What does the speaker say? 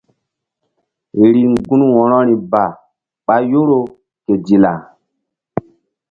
Riŋ gun wo̧rori ba ɓa yoro ke dilla.